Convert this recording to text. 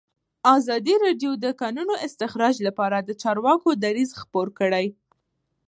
ازادي راډیو د د کانونو استخراج لپاره د چارواکو دریځ خپور کړی.